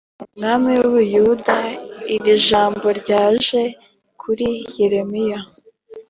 umwami w u Buyuda iri jambo ryaje kuri Yeremiya